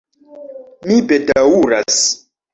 Mi bedaŭras!